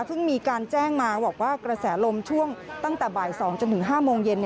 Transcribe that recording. เพิ่งมีการแจ้งมาว่ากระแสลมช่วงตั้งแต่บ่าย๒๕โมงเย็น